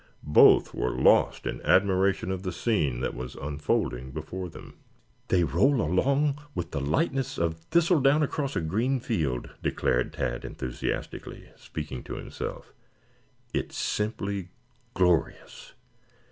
Both were lost in admiration of the scene that was unfolding before them. "They roll along with the lightness of thistledown across a green field," declared Tad enthusiastically, speaking to himself. "It is simply glorious."